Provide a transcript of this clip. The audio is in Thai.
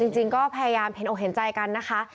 จริงก็พยายามเห็นอกเห็นใจกันนะคะ